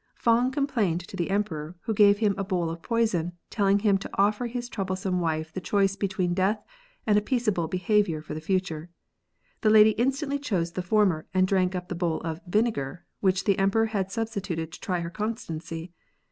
Fang complained to the Emperor, who gave him a bowl of poison, tell ing him to offer his troublesome wife the choice be tween death and peaceable behaviour for the future. The lady instantly chose the former, and drank up the bowl of vinegar, which the Emperor had substituted to try her constancy.